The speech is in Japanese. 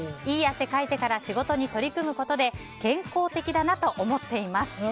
いい汗かいてから仕事に取り組むことで健康的だなと思っています。